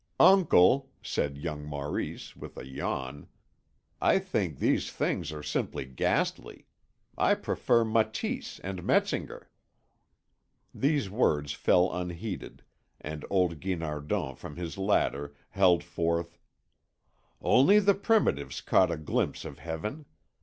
"Uncle," said young Maurice, with a yawn, "I think these things are simply ghastly. I prefer Matisse and Metzinger." These words fell unheeded, and old Guinardon from his ladder held forth: "Only the primitives caught a glimpse of Heaven.